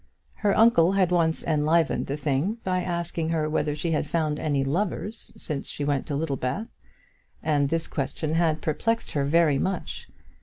Her uncle had once enlivened the thing by asking her whether she had found any lovers since she went to Littlebath, and this question had perplexed her very much.